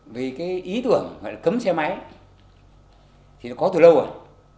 vì cái ý tưởng gọi là cấm xe máy thì nó có từ lâu rồi